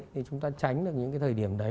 thì chúng ta tránh được những cái thời điểm đấy